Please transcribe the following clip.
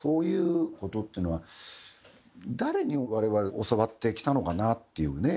そういうことっていうのは誰に、われわれ教わってきたのかなっていうね。